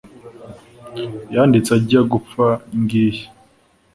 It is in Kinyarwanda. yanditse ajya gupfa ngiyi